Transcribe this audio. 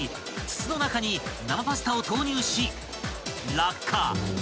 筒の中に生パスタを投入し落下］